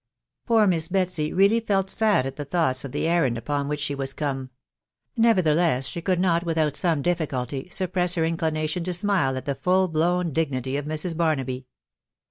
Poor Miss Betsy really felt sad at the thoughts of the errand upon which she was come ; nevettheiew ita croi&TCft, THE W1B0W BARNABY. 4Q without some difficulty, suppress her inclination to smile at the full blown dignity of Mrs. Barnaby.